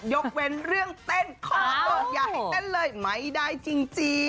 ยกเว้นเรื่องเต้นขอโทษอย่าให้เต้นเลยไม่ได้จริง